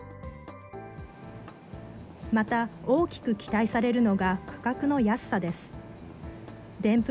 また、大きく期待されるのが価格の安さです。